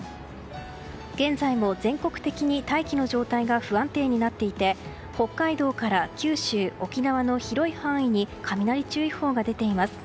現在も全国的に大気の状態が不安定になっていて北海道から九州、沖縄の広い範囲に雷注意報が出ています。